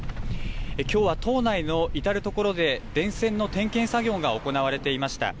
きょうは島内の至る所で電線の点検作業が行われていました。